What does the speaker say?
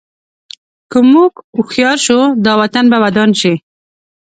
که موږ هوښیار شو، دا وطن به ودان شي.